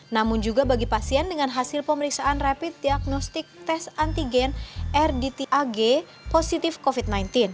namun juga bagi pasien dengan hasil pemeriksaan rapid diagnostik tes antigen rdtag positif covid sembilan belas